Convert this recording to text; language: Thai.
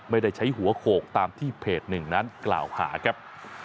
ไม่ได้ใช้หัวโขกตามที่เพจหนึ่งนั้นกล่าวหาครับ